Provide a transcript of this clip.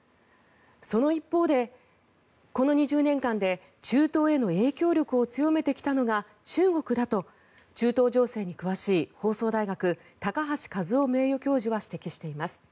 その一方で、この２０年間で中東への影響力を強めてきたのが中国だと、中東情勢に詳しい放送大学、高橋和夫名誉教授は指摘しています。